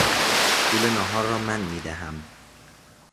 پول ناهار را من میدهم.